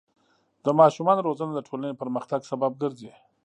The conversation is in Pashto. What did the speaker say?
د ماشومانو روزنه د ټولنې پرمختګ سبب ګرځي.